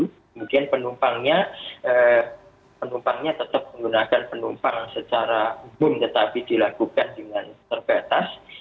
kemudian penumpangnya penumpangnya tetap menggunakan penumpang secara umum tetapi dilakukan dengan terbatas